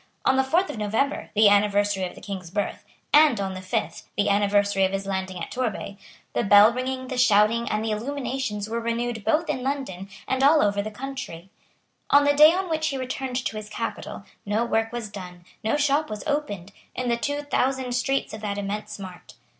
On the fourth of November, the anniversary of the King's birth, and on the fifth, the anniversary of his landing at Torbay, the bellringing, the shouting, and the illuminations were renewed both in London and all over the country. On the day on which he returned to his capital no work was done, no shop was opened, in the two thousand streets of that immense mart.